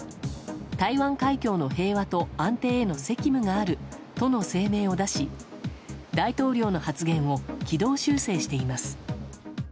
台湾海峡の平和と安定への責務があるとの声明を出し、大統領の発言を軌道修正しています。